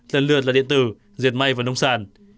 lần lượt là điện tử diệt may và nông sản